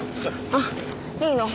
あっいいの。